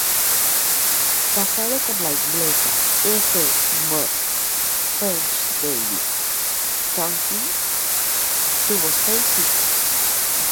Casado con la inglesa Ethel Maud Ffrench-Davis Tonkin, tuvo seis hijos.